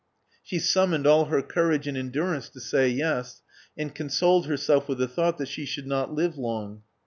She summoned all her courage and endurance to say yes, and consoled herself with the thought that she should not live long.